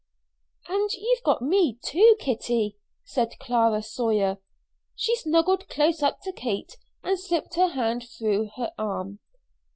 "And you've got me, too, Kitty," said Clara Sawyer. She snuggled close up to Kate and slipped her hand through her arm.